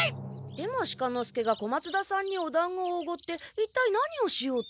出茂鹿之介が小松田さんにおだんごをおごって一体何をしようと？